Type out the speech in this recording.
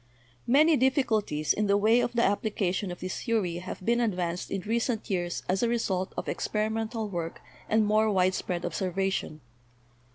Many difficulties in the way of the application of this theory have been advanced in recent years as a result of experimental work and more widespread observation.